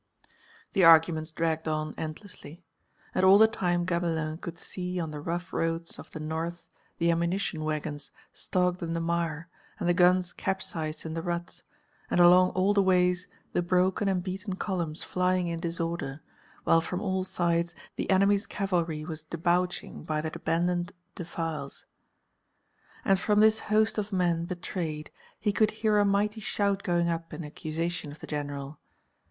The arguments dragged on endlessly. And all the time Gamelin could see on the rough roads of the north the ammunition wagons stogged in the mire and the guns capsized in the ruts, and along all the ways the broken and beaten columns flying in disorder, while from all sides the enemy's cavalry was debouching by the abandoned defiles. And from this host of men betrayed he could hear a mighty shout going up in accusation of the General.